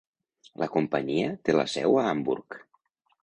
La companyia té la seu a Hamburg.